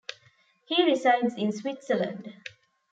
He resides in Switzerland.